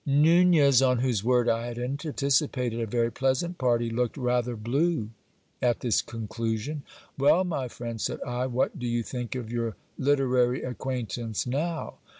Nunez, on whose word I had anticipated a very pleasant party, looked rather blue at this conclusion. Well, my friend, said I, what do you think of your literary acquaintance now